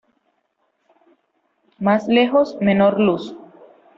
Más lejos, menor luz.